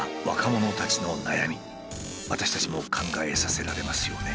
私たちも考えさせられますよね。